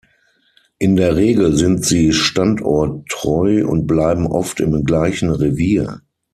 In der Regel sind sie standorttreu und bleiben oft im gleichen Revier.